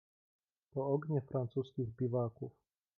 "To ognie francuskich biwaków."